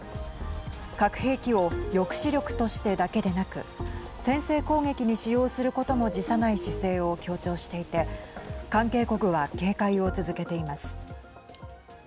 核兵器を抑止力としてだけでなく先制攻撃に使用することも辞さない姿勢を強調していて関係国は警戒を続けています。